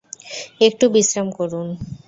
একটু বিশ্রাম করুন।